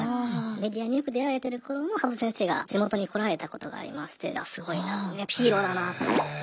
メディアによく出られてる頃の羽生先生が地元に来られたことがありましてすごいなやっぱヒーローだなと思って。